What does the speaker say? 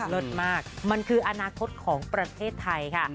เลิศมากมันคืออนาคตของประเทศไทยค่ะ